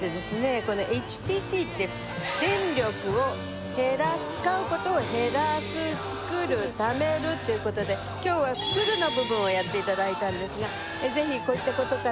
この「ＨＴＴ」って電力を使うことを減らす創る蓄めるっていうことで今日は創るの部分をやっていただいたんですがぜひこういったことから